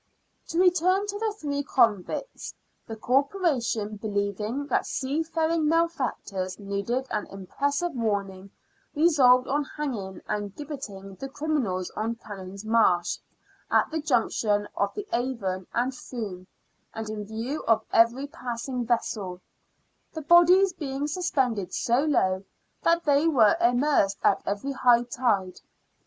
To return to the three convicts, the Corporation, believing that seafaring malefactors needed an impressive warning, resolved on hanging and gibbeting the criminals on Canons' Marsh, at the junction of the Avon and Froom, and in view of every passing vessel, the bodies being suspended so low that they were immersed at every high tide.